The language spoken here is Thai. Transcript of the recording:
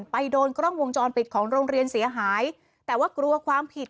ไปโดนกล้องวงจรปิดของโรงเรียนเสียหายแต่ว่ากลัวความผิด